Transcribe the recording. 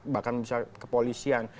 bahkan bisa kepolisian